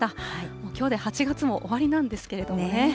もうきょうで８月も終わりなんですけれどもね。